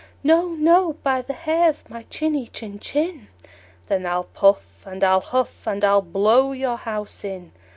"No, no, by the hair of my chinny chin chin." "Then I'll puff and I'll huff, and I'll blow your house in!"